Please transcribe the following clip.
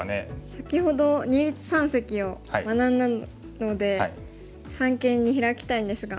先ほど二立三析を学んだので三間にヒラきたいんですが。